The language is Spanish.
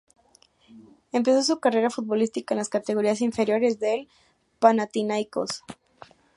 Empezó su carrera futbolística en las categorías inferiores del Panathinaikos.